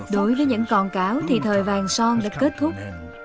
đối với những con cáo thì thời vàng son đã kết thúc